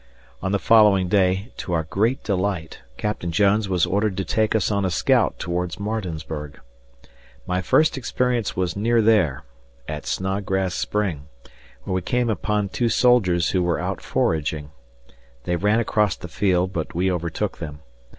On the following day, to our great delight, Captain Jones was ordered to take us on a scout towards Martinsburg. My first experience was near there at Snodgrass Spring where we came upon two soldiers who were out foraging. They ran across the field, but we overtook them.